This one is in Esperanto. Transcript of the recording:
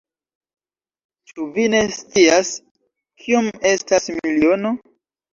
Ĉu vi ne scias, kiom estas miliono?